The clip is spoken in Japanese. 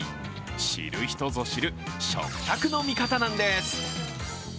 知る人ぞ知る食卓の味方なんです。